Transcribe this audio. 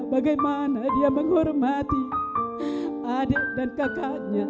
bagaimana dia menghormati adik dan kakaknya